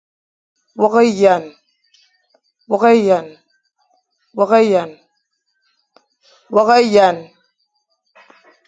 Wôkh ényan.